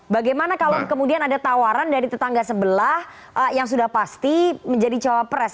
bagaimana kalau kemudian ada tawaran dari tetangga sebelah yang sudah pasti menjadi cawapres